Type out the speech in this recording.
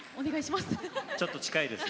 ちょっと近いですよ。